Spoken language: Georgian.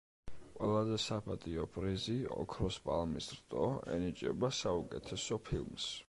ყველაზე საპატიო პრიზი „ოქროს პალმის რტო“ ენიჭება საუკეთესო ფილმს.